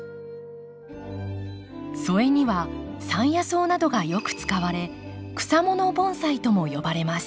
添えには山野草などがよく使われ草もの盆栽とも呼ばれます。